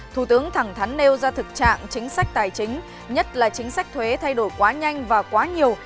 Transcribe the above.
thủ tướng thẳng thắn nêu ra thực trạng chính sách tài chính nhất là chính sách thuế thay đổi quá nhanh và quá nhiều